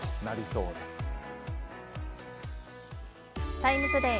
「ＴＩＭＥ，ＴＯＤＡＹ」